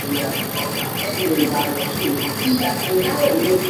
El presbiterio se alza sobre tres escalones.